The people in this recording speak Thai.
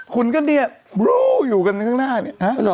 คุณก็เนี่ยบรูอยู่กันข้างหน้าเนี่ย